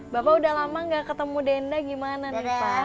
bapak udah lama nggak ketemu danda gimana nih pak